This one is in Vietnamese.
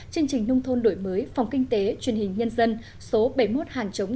chương trình nông thôn đổi mới phòng kinh tế truyền hình nhân dân số bảy mươi một hàng chống